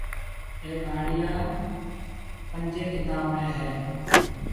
اَي ٻاݪيا پنجهيَ ڪتاب ۾ هيَ۔